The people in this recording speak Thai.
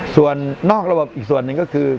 ส่วนนอกระบบอีกส่วนหนึ่งก็คือ